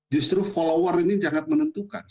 justru follower ini jangan menentukan